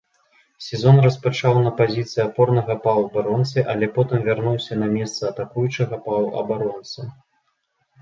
Сезон распачаў на пазіцыі апорнага паўабаронцы, але потым вярнуўся на месца атакуючага паўабаронцы.